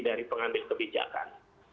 dari pengambil kebijakan